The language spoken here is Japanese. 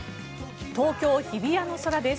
東京・日比谷の空です。